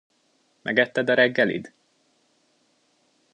Megetted a reggelid?